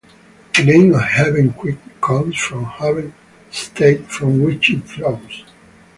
The name of Haven Creek comes from Haven Estate from which it flows.